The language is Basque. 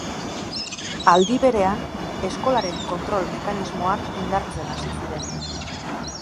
Aldi berean, eskolaren kontrol mekanismoak indartzen hasi ziren.